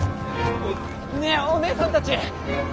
ねえおねえさんたち！